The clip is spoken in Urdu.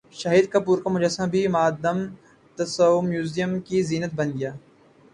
شاہد کپور کا مجسمہ بھی مادام تساو میوزم کی زینت بن گیا